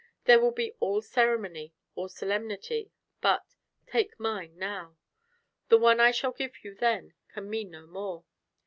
There will be all ceremony, all solemnity, but take mine now. The one I shall give you then can mean no more.